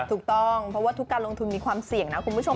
ถูกต้องเพราะว่าทุกการลงทุนมีความเสี่ยงนะคุณผู้ชม